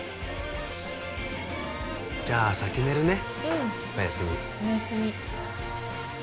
じゃあ先寝るね